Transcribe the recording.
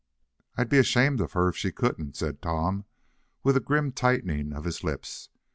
"I'd be ashamed of her if she couldn't," said Tom, with a grim tightening of his lips.